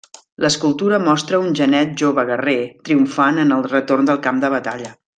L'escultura mostra un genet -jove guerrer-, triomfant en el retorn del camp de batalla.